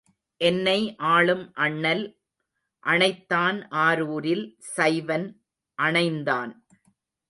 எனை ஆளும் அண்ணல் அணைத்தான் ஆரூரில் சைவன் அணைந்தான்.